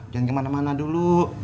jangan kemana mana dulu